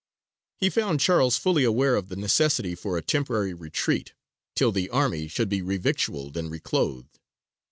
He found Charles fully aware of the necessity for a temporary retreat, till the army should be revictualled and reclothed.